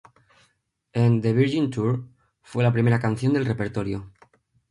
En The Virgin Tour, fue la primera canción del repertorio.